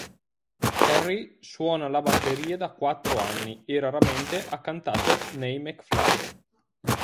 Harry suona la batteria da quattro anni e raramente ha cantato nei Mcfly.